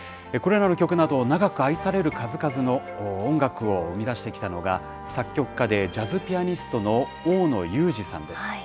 これらの曲など、長く愛される数々の音楽を生み出してきたのが、作曲家でジャズピアニストの大野雄二さんです。